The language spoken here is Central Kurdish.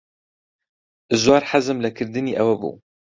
زۆر حەزم لە کردنی ئەوە بوو.